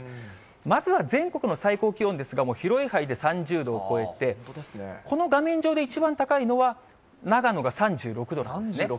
まずは全国の最高気温ですが、広い範囲で３０度を超えて、この画面上で一番高いのは、長野が３６度ですね。